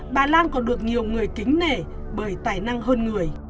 bà lan còn được nhiều người kính nể bởi tài năng hơn người